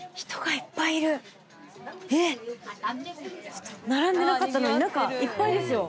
えっ並んでなかったのに中いっぱいですよ。